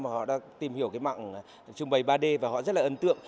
và họ đã tìm hiểu mạng trưng bày ba d và họ rất là ấn tượng